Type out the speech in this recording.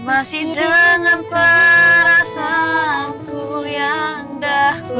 a ya sudah datang azrinya